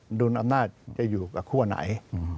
อันนู้นอำนาจจะอยู่กับขั้วไหน